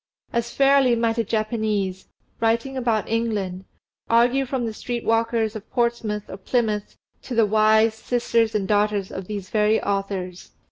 As fairly might a Japanese, writing about England, argue from the street walkers of Portsmouth or Plymouth to the wives, sisters, and daughters of these very authors.